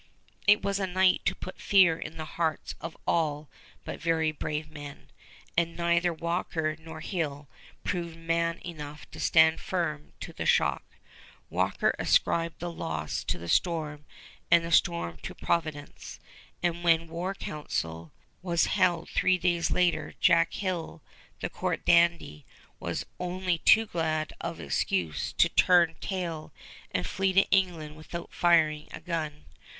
It was a night to put fear in the hearts of all but very brave men, and neither Walker nor Hill proved man enough to stand firm to the shock. Walker ascribed the loss to the storm and the storm to Providence; and when war council was held three days later Jack Hill, the court dandy, was only too glad of excuse to turn tail and flee to England without firing a gun.